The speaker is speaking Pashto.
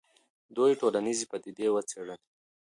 دوی ټولنیزې پدیدې وڅېړلې.